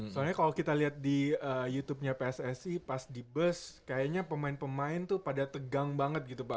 soalnya kalau kita lihat di youtubenya pssi pas di bus kayaknya pemain pemain tuh pada tegang banget gitu pak